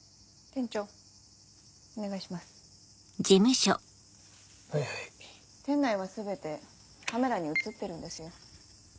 店内は全てカメラに写ってるんですよ。